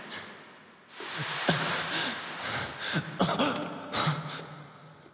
あっ！